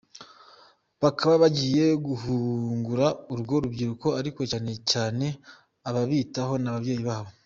bakaba bagiye guhugura urwo rubyiruko ariko cyane cyane ababitaho n’ababyeyi babo.